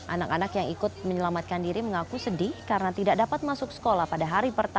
anak anak yang ikut menyelamatkan diri mengaku sedih karena tidak dapat masuk sekolah pada hari pertama